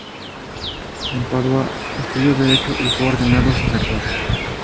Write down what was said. En Padua estudió derecho, y fue ordenado sacerdote.